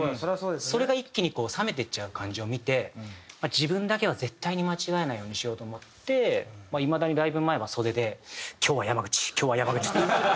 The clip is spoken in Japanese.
それが一気にこう冷めていっちゃう感じを見て自分だけは絶対に間違えないようにしようと思ってまあいまだにライブ前は袖で「今日は山口今日は山口」って言い聞かせて。